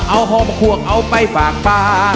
เอาหอมโมกฮัวเอาไปฝากป่า